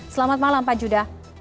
selamat malam pak judah